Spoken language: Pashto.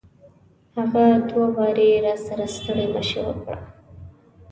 هغه دوه واري راسره ستړي مشي وکړه.